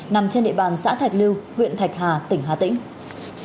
nằm trên địa bàn xã thạch lưu huyện thạch hà tỉnh hà tĩnh